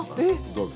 どうぞ。